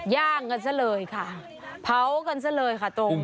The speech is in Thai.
ย่างกันซะเลยค่ะเผากันซะเลยค่ะตรง